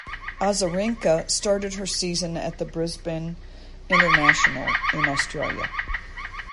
Azarenka started her season at the Brisbane International in Australia.